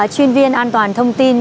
chuyên viên an toàn thông tin